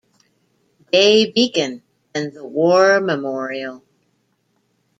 Day Beacon and the War Memorial.